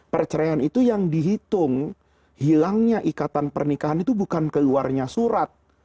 perceraian itu yang dihitung hilangnya ikatan pernikahan itu bukan keluarnya surat